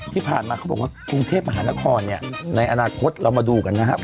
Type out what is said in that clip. ที่ผ่านมาเขาบอกว่ากรุงเทพมหานครเนี่ยในอนาคตเรามาดูกันนะครับ